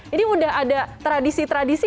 ini udah ada tradisi tradisi